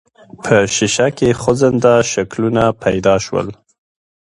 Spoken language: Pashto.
په ښيښه کې خوځنده شکلونه پيدا شول.